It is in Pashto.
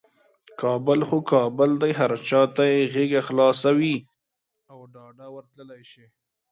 کابل خو کابل دی، هر چاته یې غیږه خلاصه وي او ډاده ورتللی شي.